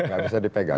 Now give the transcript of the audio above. gak bisa dipegang